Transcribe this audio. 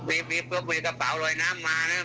มีกระเป๋าลอยน้ำมานะ